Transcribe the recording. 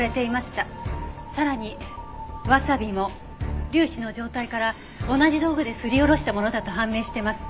さらにワサビも粒子の状態から同じ道具ですりおろしたものだと判明してます。